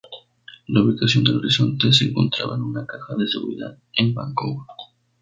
La ubicación del Horizonte se encontraba en una caja de seguridad en Vancouver.